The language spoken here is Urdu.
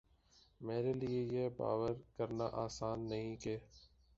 میرے لیے یہ باور کرنا آسان نہیں کہ